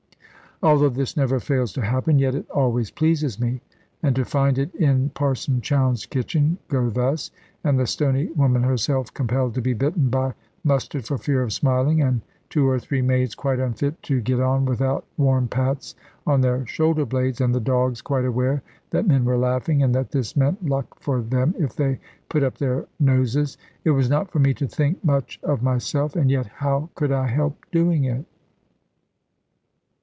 Although this never fails to happen, yet it always pleases me; and to find it in Parson Chowne's kitchen go thus, and the stony woman herself compelled to be bitten by mustard for fear of smiling, and two or three maids quite unfit to get on without warm pats on their shoulder blades, and the dogs quite aware that men were laughing, and that this meant luck for them if they put up their noses; it was not for me to think much of myself; and yet how could I help doing it?